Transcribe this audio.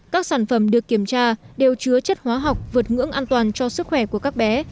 các sản phẩm được kiểm tra đều chứa chất hóa học vượt ngưỡng an toàn cho sức khỏe của các bé